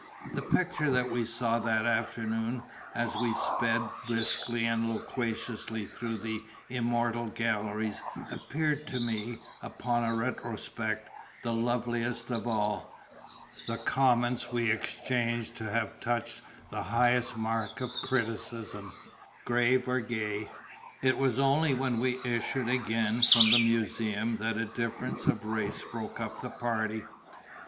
The pictures that we saw that afternoon, as we sped briskly and loquaciously through the immortal galleries, appear to me, upon a retrospect, the loveliest of all; the comments we exchanged to have touched the highest mark of criticism, grave or gay. It was only when we issued again from the museum that a difference of race broke up the party.